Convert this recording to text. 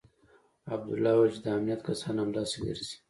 عبدالله وويل چې د امنيت کسان همداسې ګرځي.